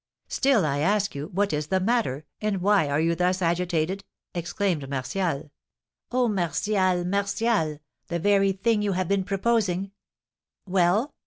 "Still, I ask you, what is the matter, and why are you thus agitated?" exclaimed Martial. "Oh, Martial, Martial, the very thing you have been proposing " "Well?"